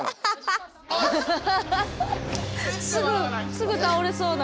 すぐ倒れそうな。